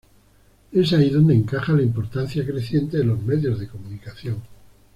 Es ahí donde encaja la importancia creciente de los medios de comunicación.